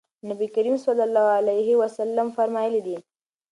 نبي کريم صلی الله عليه وسلم فرمايلي دي: